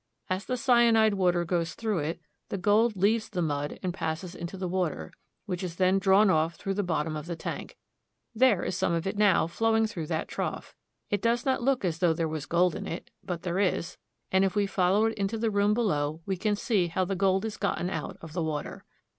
As the cyanide water goes through it, the gold leaves the mud and passes into the water, which is then drawn off through the bot tom of the tank. There is some of it now flowing through that trough. It does not look as though there was gold in it, but there is, and if we follow it into the room below, we can see how the gold is gotten out of the water.